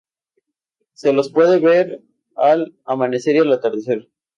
Se los puede ver al amanecer y al atardecer.